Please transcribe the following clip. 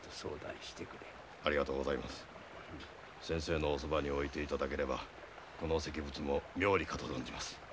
先生のおそばに置いていただければこの石仏もみょうりかと存じます。